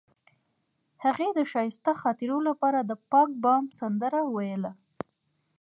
هغې د ښایسته خاطرو لپاره د پاک بام سندره ویله.